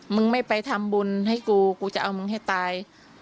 มึงไม่ไปทำบุญให้กูกูจะเอามึงให้ตาย